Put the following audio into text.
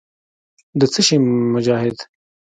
د څه شي مجاهد.